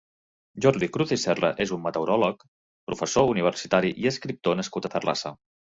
Jordi Cruz i Serra és un meteoròleg, professor universitari i escriptor nascut a Terrassa.